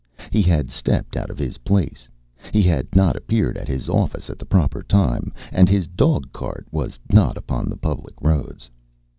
He had stepped out of his place; he had not appeared at his office at the proper time, and his dog cart was not upon the public roads.